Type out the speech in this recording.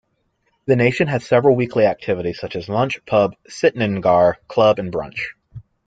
The nation has several weekly activities such as lunch, pub, sittningar, club and brunch.